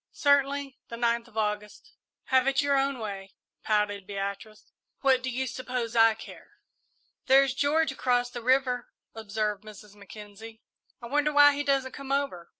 "Certainly the ninth of August." "Have it your own way," pouted Beatrice; "what do you suppose I care?" "There's George across the river," observed Mrs. Mackenzie. "I wonder why he doesn't come over!"